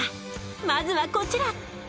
まずはこちら。